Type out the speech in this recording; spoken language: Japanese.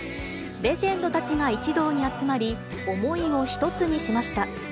レジェンドたちが一堂に集まり、思いを一つにしました。